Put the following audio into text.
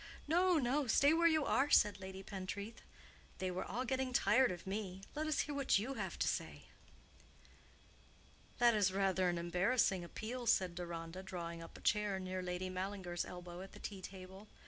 "No, no; stay where you are," said Lady Pentreath. "They were all getting tired of me; let us hear what you have to say." "That is rather an embarrassing appeal," said Deronda, drawing up a chair near Lady Mallinger's elbow at the tea table.